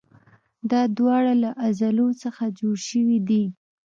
دا دواړه له عضلو څخه جوړ شوي دي.